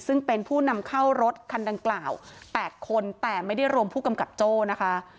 ซึ่งเป็นผู้นำเข้ารถคันดังกล่าว๘คนแต่ไม่ได้รวมผู้กำกับโจ้นะคะ